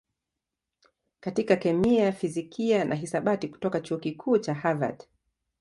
katika kemia, fizikia na hisabati kutoka Chuo Kikuu cha Harvard.